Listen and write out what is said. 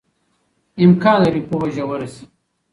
امکان لري پوهه ژوره شي.